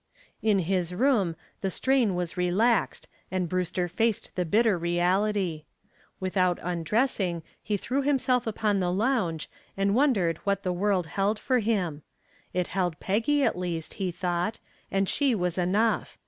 In his room the strain was relaxed and Brewster faced the bitter reality. Without undressing he threw himself upon the lounge and wondered what the world held for him. It held Peggy at least, he thought, and she was enough.